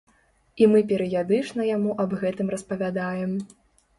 І мы перыядычна яму аб гэтым распавядаем.